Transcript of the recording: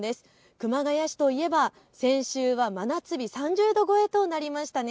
熊谷市といえば先週は真夏日、３０度超えとなりましたね。